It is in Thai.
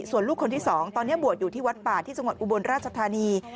ส่วนลูกคนที่๒ตอนนี้บวชอยู่ที่วัดป่าที่จังหวัดอุบลราชธานี